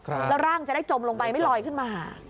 แล้วร่างจะได้จมลงไปไม่ลอยขึ้นมาหา